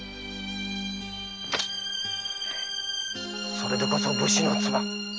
それでこそ武士の妻。